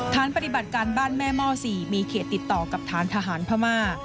ฐานปฏิบัติการบ้านแม่หม้อ๔มีเขตติดต่อกับฐานทหารพม่า